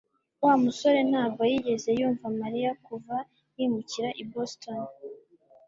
Wa musore ntabwo yigeze yumva Mariya kuva yimukira i Boston